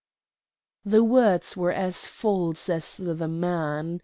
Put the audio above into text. The words were as false as the man.